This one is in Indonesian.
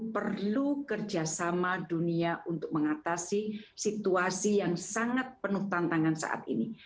perlu kerjasama dunia untuk mengatasi situasi yang sangat penuh tantangan saat ini